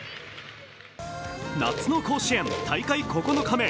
夏の甲子園大会９日目。